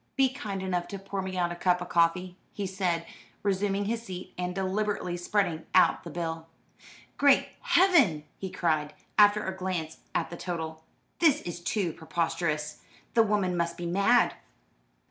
"Be kind enough to pour me out a cup of coffee," he said, resuming his seat, and deliberately spreading out the bill. "Great Heaven!" he cried, after a glance at the total. "This is too preposterous. The woman must be mad."